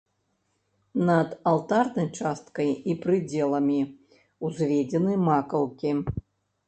Над алтарнай часткай і прыдзеламі ўзведзены макаўкі.